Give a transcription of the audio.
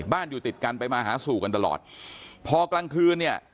อยู่ติดกันไปมาหาสู่กันตลอดพอกลางคืนเนี่ย